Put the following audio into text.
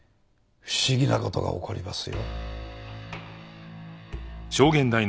不思議な事が起こりますよ。